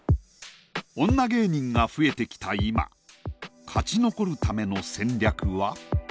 女芸人が増えてきた今勝ち残るための戦略は？